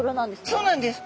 そうなんです。